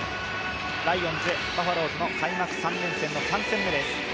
ライオンズ×バファローズの開幕３連戦の３戦目です。